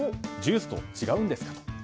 ジュースと違うんですか？と。